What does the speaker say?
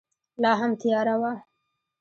لا هم تیاره وه.